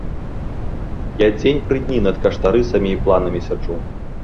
Я дзень пры дні над каштарысамі і планамі сяджу.